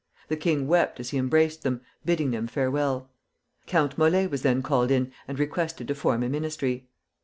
The king wept as he embraced them, bidding them farewell. Count Molé was then called in and requested to form a ministry.